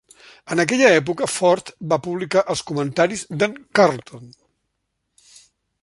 En aquella època, Ford va publicar els comentaris de"n Carlton.